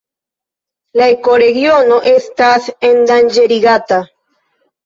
La ekoregiono estas endanĝerigata.